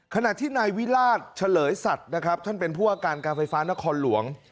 ขณะที่นายวิราชเฉลยสัตว์นะครับท่านเป็นผู้ว่าการการไฟฟ้านครหลวง